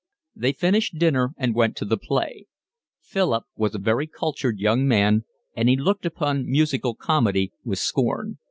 They finished dinner and went to the play. Philip was a very cultured young man, and he looked upon musical comedy with scorn.